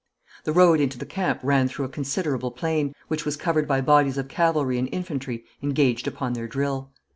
The road into the camp ran through a considerable plain, which was covered by bodies of cavalry and infantry engaged upon their drill.